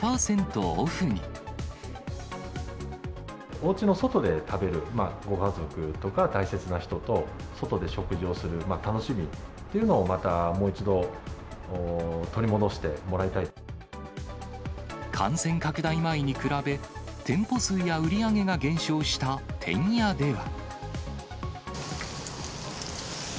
おうちの外で食べる、ご家族とか大切な人と外で食事をする楽しみというのを、またもう感染拡大前に比べ、店舗数や売り上げが減少したてんやでは。